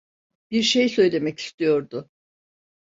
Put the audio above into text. Bir şey söylemek istiyordu.